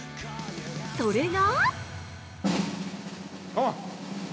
それが！